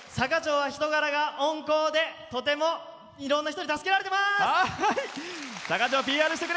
坂町は人柄が温厚でとてもいろんな人に助けられてます。